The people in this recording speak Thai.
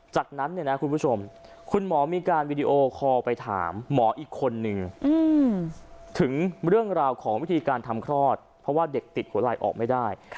จากนั้นเนี่ยนะคุณผู้ชมคุณหมอมีการวิดีโอคอลไปถามหมออีกคนนึงถึงเรื่องราวของวิธีการทำคลอดเพราะว่าเด็กติดหัวไหลออกไม่ได้